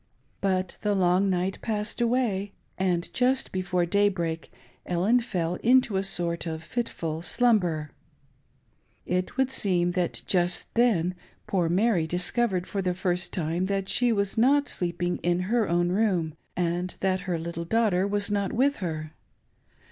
But the long night passed away, and just before day break Ellen fell into a sort of fitful slumber. It would seem that just then poor Mary dis covered for the iirst time that she was not sleeping in her own room, and that her little daughter was not with her.